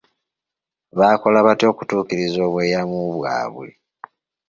Baakola batya okutuukiriza obweyamu bwabwe?